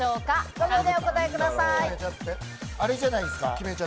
５秒でお答えください。